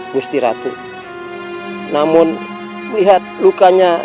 dan setelah itu meledakkan kelihatan saya